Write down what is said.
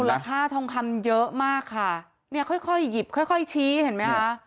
ใช่มูลค่าทองคำเยอะมากค่ะเนี่ยค่อยหยิบค่อยชี้เห็นไหมคะ